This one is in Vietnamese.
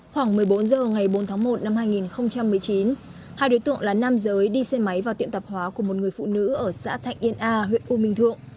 khoảng một mươi bốn h ngày bốn tháng một năm hai nghìn một mươi chín hai đối tượng là nam giới đi xe máy vào tiệm tạp hóa của một người phụ nữ ở xã thạnh yên a huyện u minh thượng